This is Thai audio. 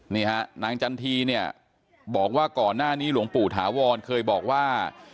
นี่ฮะนางจันทีเนี่ยบอกว่าก่อนหน้านี้หลวงปู่ถาวรเคยบอกว่า